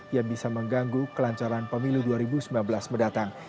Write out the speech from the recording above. yang bisa mengganggu kelancaran pemilu dua ribu sembilan belas mendatang